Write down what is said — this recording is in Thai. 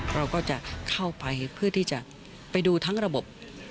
เราก็จะเข้าไปเพื่อที่จะไปดูทั้งระบบ